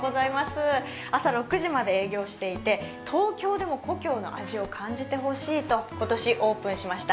朝６時まで営業していて、東京でも故郷の味を感じてほしいと、今年オープンしました。